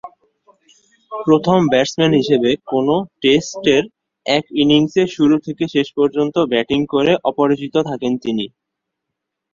প্রথম ব্যাটসম্যান হিসেবে কোন টেস্টের এক ইনিংসে শুরু থেকে শেষ পর্যন্ত ব্যাটিং করে অপরাজিত থাকেন তিনি।